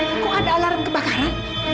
itu kok ada alarm kebakaran